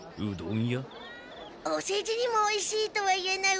おせじにもおいしいとは言えない